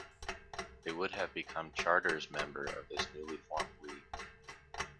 They would have become charters member of this newly formed league.